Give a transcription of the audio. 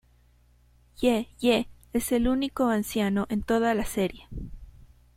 Ye Ye es el único anciano en toda la serie.